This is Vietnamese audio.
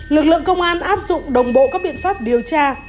lực lượng công an áp dụng đồng bộ các biện pháp điều tra